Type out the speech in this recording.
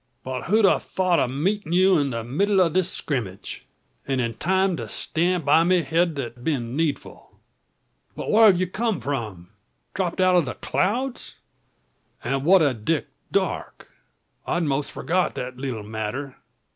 But who'd a thought o' meeting ye in the middle of the skrimmage! And in time to stan' by me hed that been needful. But whar hev ye come from? Dropt out o' the clouds? An' what o' Dick Darke? I'd most forgot that leetle matter.